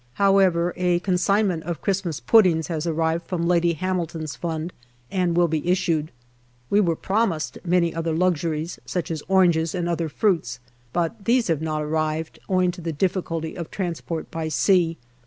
However, a consignment of Christmas puddings has arrived from Lady Hamilton's Fund and will be issued. We were promised many other luxuries, such as oranges and other fruits, but these have not arrived, owing to the difficulty of transport by sea.